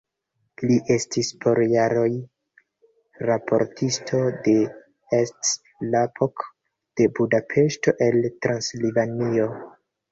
Li estis por jaroj raportisto de "Est Lapok" de Budapeŝto el Transilvanio.